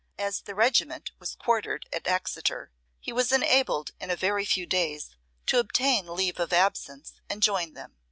As the regiment was quartered at Exeter, he was enabled in a very few days to obtain leave of absence and join them.